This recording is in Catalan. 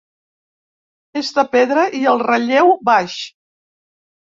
És de pedra i el relleu baix.